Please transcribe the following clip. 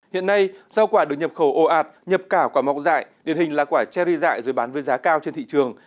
hiện nay rau quả được nhập khẩu ồ ạt nhập cả quả mọc dại điển hình là quả cherry dại rồi bán với giá cao trên thị trường